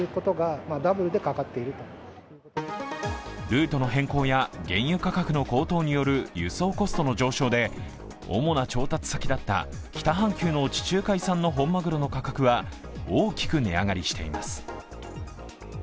ルートの変更や原油価格の高騰による輸送コストの上昇で、主な調達先だった北半球の地中海産の本まぐろの価格は大きく値上がりしています。